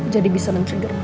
jadi bisa lempar gerbang